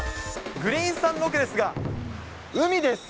グリーンさんロケですが、海です。